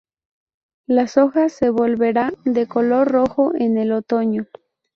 Las hojas se volverá de color rojo en el otoño.